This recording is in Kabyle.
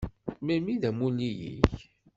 Melmi i d amulli-ik?